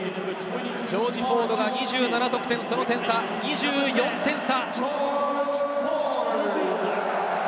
ジョージ・フォードが２７得点、２４点差。